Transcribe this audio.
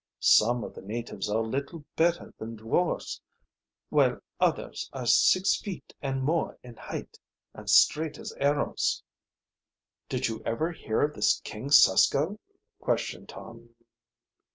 Some of the natives are little better than dwarfs, while others are six feet and more in height and as straight as arrows. "Did you ever hear of this King Susko?" questioned Tom.